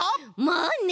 まあね！